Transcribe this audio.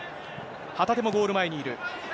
旗手もゴール前にいる。